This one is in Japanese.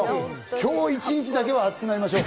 今日一日だけは熱くなりましょう！